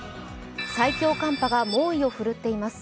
最強寒波が猛威を振るっています。